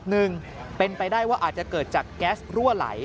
หนึ่งเป็นไปได้ว่าอาจจะเกิดจากแก๊สรั่วไหล